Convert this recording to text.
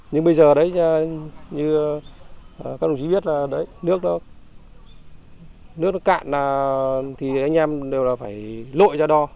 nhưng bây giờ đấy như các đồng chí biết là đấy nước nó cạn thì anh em đều là phải lội ra đo